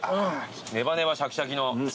ネバネバシャキシャキの。